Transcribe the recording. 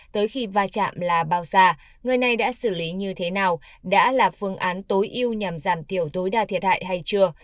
tới khi va chạm là bao già người này đã xử lý như thế nào đã là phương án tối ưu nhằm giảm thiểu tối đa thiệt hại hay chưa